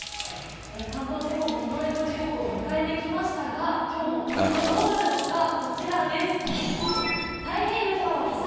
関東地方も日の出の時刻を迎えてきましたが、今日のポイント、どうなるのか、こちらです。